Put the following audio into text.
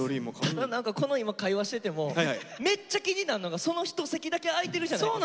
ただ何かこの今会話しててもめっちゃ気になんのがそのひと席だけ空いてるじゃないですか。